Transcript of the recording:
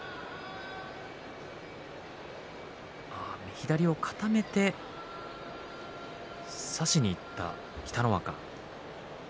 左を固めて差しにいった北の若。